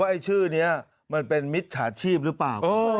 ว่าไอ้ชื่อนี้มันเป็นมิตรหาชีพหรือเปล่าโอ้ย